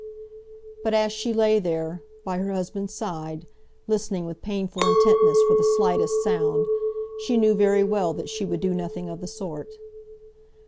But as she lay there, by her husband's side, listening with painful intentness for the slightest sound, she knew very well that she would do nothing of the sort.